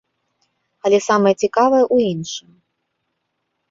Але самае цікавае ў іншым.